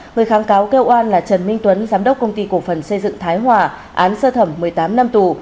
người kháng cáo kêu oan là trần minh tuấn giám đốc công ty cổ phần xây dựng thái hòa án sơ thẩm một mươi tám năm tù